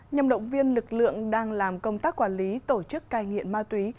nhằm động viên lực lượng đang làm công tác quản lý tổ chức cai nghiện ma túy